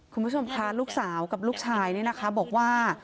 คุณผู้ชมค่ะลูกสาวกับลูกชายเนี่ยนะคะบอกว่า